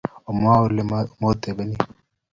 omwoun ale mwotobenin